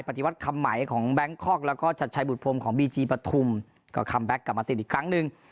ปฏิวัติคำไหมของแบงคอกแล้วก็ชัดชัยบุตพรมของบีจีปฐุมก็คัมแก๊กกลับมาติดอีกครั้งหนึ่ง